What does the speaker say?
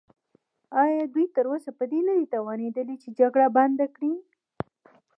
ایا دوی تراوسه په دې نه دي توانیدلي چې جګړه بنده کړي؟